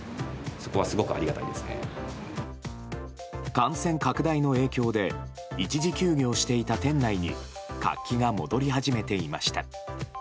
感染拡大の影響で一時休業していた店内に活気が戻り始めていました。